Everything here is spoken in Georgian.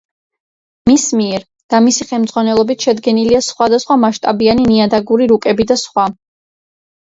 მის მიერ და მისი ხელმძღვანელობით შედგენილია სხვადასხვა მასშტაბიანი ნიადაგური რუკები და სხვა.